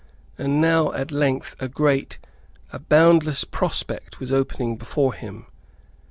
And now at length a great, a boundless prospect was opening before him.